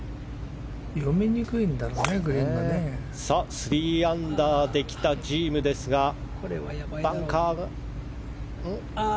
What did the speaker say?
３アンダーで来たジームですがバンカーが。